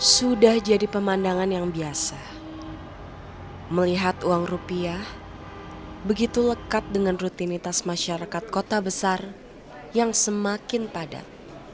sudah jadi pemandangan yang biasa melihat uang rupiah begitu lekat dengan rutinitas masyarakat kota besar yang semakin padat